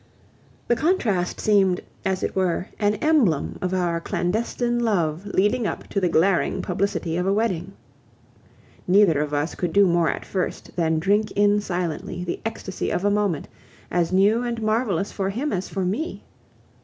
The contrast seemed, as it were, an emblem of our clandestine love leading up to the glaring publicity of a wedding. Neither of us could do more at first than drink in silently the ecstasy of a moment, as new and marvelous for him as for me.